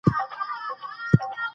غیر قانوني پیسې ستونزې جوړوي.